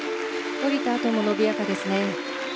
降りたあとも伸びやかですね。